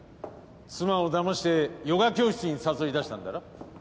妻をだましてヨガ教室に誘い出したんだな。